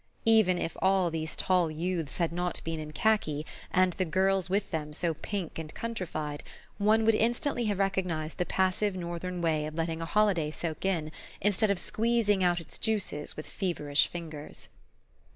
Even if all these tall youths had not been in khaki, and the girls with them so pink and countrified, one would instantly have recognized the passive northern way of letting a holiday soak in instead of squeezing out its juices with feverish fingers.